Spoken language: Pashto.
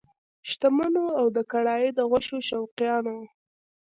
شتمنو او د کړایي د غوښو شوقیانو!